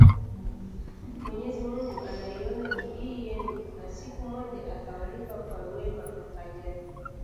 Mwenyezi Mungu anaiona bidii yenu na siku moja atawalipa kwa wema mfanyayo